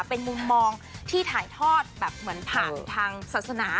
เป็นมุมมองที่ถ่ายทอดแบบเหมือนผ่านทางศาสนา